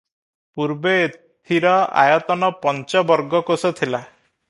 ପୂର୍ବେ ଏଥିର ଆୟତନ ପଞ୍ଚବର୍ଗକୋଶ ଥିଲା ।